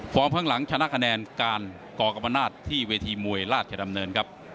ข้างหลังชนะคะแนนการกกรรมนาศที่เวทีมวยราชดำเนินครับ